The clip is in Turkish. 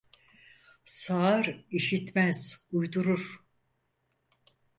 Sağır işitmez uydurur.